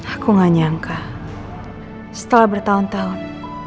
aku gak nyangka setelah bertahun tahun